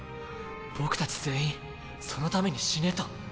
僕たち全員そのために死ねと？